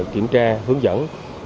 kiểm tra hướng dẫn